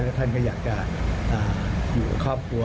ท่านก็อยากจะอยู่กับครอบครัว